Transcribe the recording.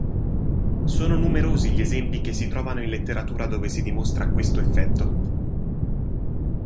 Sono numerosi gli esempi che si trovano in letteratura dove si dimostra questo effetto.